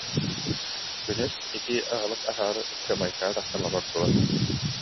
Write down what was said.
Күнүс итии аһылык аһаары ыскамыайкаҕа тахсан олордулар